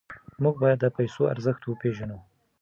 موږ باید د پیسو ارزښت وپېژنو.